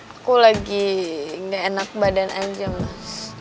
aku lagi gak enak badan aja mas